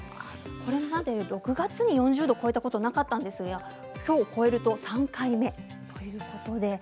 これまで６月に４０度を超えたことはなかったんですがきょう超えると３回目ということです。